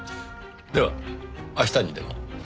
では明日にでも。